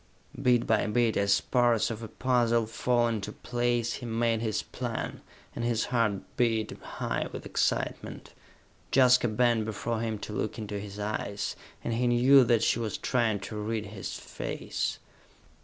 Bit by bit, as parts of a puzzle fall into place, he made his plan, and his heart beat high with excitement. Jaska bent before him to look into his eyes, and he knew that she was trying to read his face.